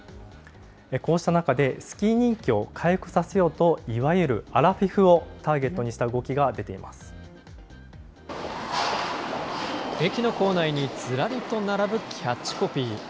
こうした中で、スキー人気を回復させようと、いわゆるアラフィフをターゲットにした動きが出てい駅の構内にずらりと並ぶキャッチコピー。